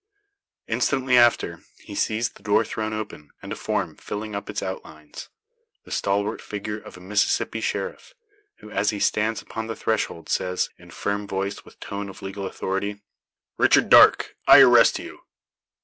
Instantly after, he sees the door thrown open, and a form filling up its outlines the stalwart figure of a Mississippi sheriff; who, as he stands upon the threshold, says, in firm voice, with tone of legal authority: "Richard Darke, I arrest you!"